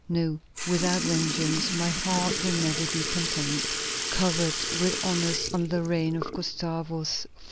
No; without vengeance, my heart will never be content." Covered with honors under the reign of Gustavus IV.